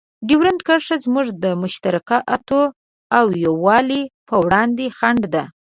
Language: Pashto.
ډیورنډ کرښه زموږ د مشترکاتو او یووالي په وړاندې خنډ ده.